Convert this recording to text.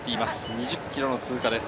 ２０ｋｍの通過です。